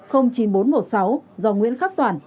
hai mươi chín h chín nghìn bốn trăm một mươi sáu do nguyễn khắc toàn